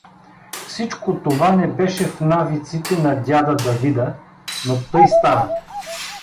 Всичко това не беше в навиците на дяда Давида, но тъй стана.